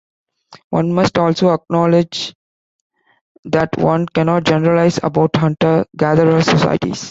One must also acknowledge that one cannot generalize about hunter-gatherer societies.